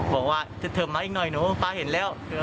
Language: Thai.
บอกว่าจะเทิบมาอีกหน่อยหนูป๊าเห็นแล้ว